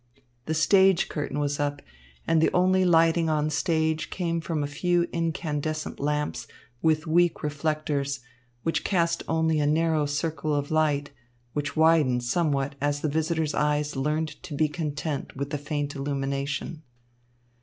The stage curtain was up, and the only lighting on the stage came from a few incandescent lamps with weak reflectors, which cast only a narrow circle of light, which widened somewhat as the visitors' eyes learned to be content with the faint illumination.